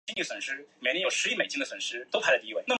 菊梓乔自小因父母离异而与妹妹相依为命。